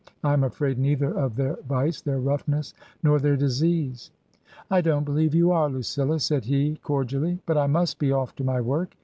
I am afraid neither of their vice, their roughness, nor their disease." " I don't believe you are, Lucilla," said he, cordially. " But I must be off* to my work."